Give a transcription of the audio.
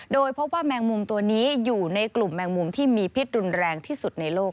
โดยพบว่าแมงมุมตัวนี้อยู่ในกลุ่มแมงมุมที่มีพิษรุนแรงที่สุดในโลก